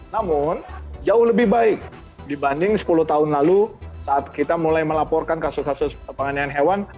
namun jauh lebih baik dibanding sepuluh tahun lalu saat kita mulai melaporkan kasus kasus penganiayaan hewan